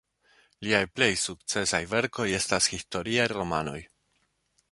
Liaj plej sukcesaj verkoj estas historiaj romanoj.